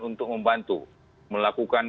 untuk membantu melakukan